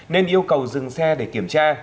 nên yêu cầu dừng xe để kiểm tra